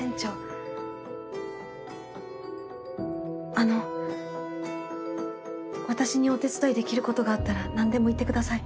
あの私にお手伝いできる事があったらなんでも言ってください。